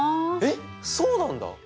えっそうなんだ！